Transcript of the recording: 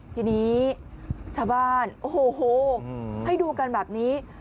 ทีนี้ชาวบ้านโอ้โหให้ดูกันแบบนี้